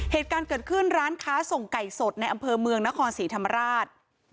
เหตุการณ์เกิดขึ้นร้านค้าส่งไก่สดในอำเภอเมืองนครศรีธรรมราช